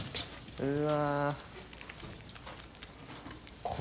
うわ。